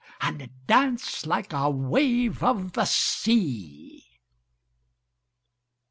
'And dance like a wave of the sea.